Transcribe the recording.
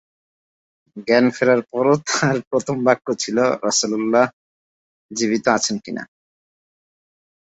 জ্ঞান ফেরার পরও তার প্রথম বাক্য ছিল, রাসূলুল্লাহ জীবিত আছেন কিনা।